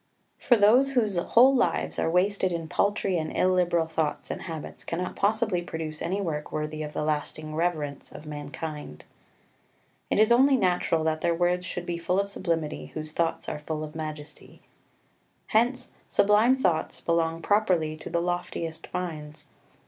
For those whose whole lives are wasted in paltry and illiberal thoughts and habits cannot possibly produce any work worthy of the lasting reverence of mankind. It is only natural that their words should be full of sublimity whose thoughts are full of majesty. 4 Hence sublime thoughts belong properly to the loftiest minds.